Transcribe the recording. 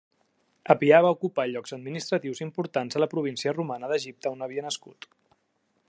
Apià va ocupar llocs administratius importants a la província romana d'Egipte on havia nascut.